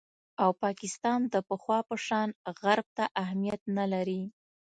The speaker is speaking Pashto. او پاکستان د پخوا په شان غرب ته اهمیت نه لري